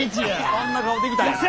こんな顔できたんやな。